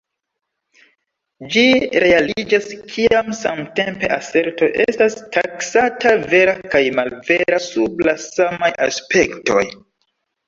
Ĝi realiĝas kiam samtempe aserto estas taksata vera kaj malvera sub la samaj aspektoj.